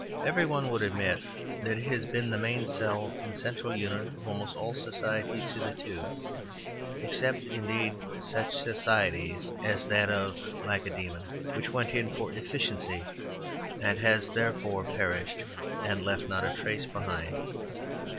Every one would admit that it has been the main cell and central unit of almost all societies hitherto, except, indeed, such societies as that of Lacedaemon, which went in for "efficiency," and has, therefore, perished, and left not a trace behind.